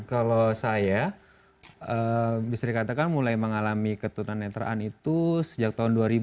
kalau saya bisa dikatakan mulai mengalami ketuna netraan itu sejak tahun dua ribu